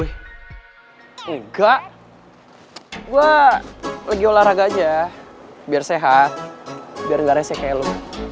enggak gua lagi olahraga aja biar sehat biar ga rese kayak lu